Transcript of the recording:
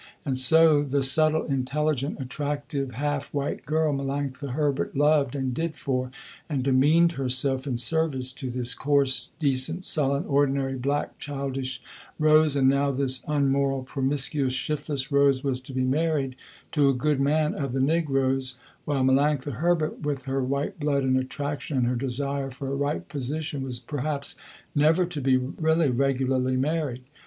And so the subtle intelligent attractive half white girl Melanctha Herbert loved and did for, and demeaned herself in service to this coarse, decent, sullen, ordinary, black, childish Rose and now this unmoral promiscuous shiftless Rose was to be married to a good man of the negroes, while Melanctha Herbert with her white blood and attraction and her desire for a right position was perhaps never to be really regularly married.